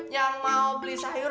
yang mau beli sayur